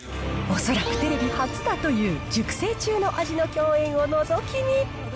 恐らく、テレビ初だという熟成中の味の饗宴をのぞき見。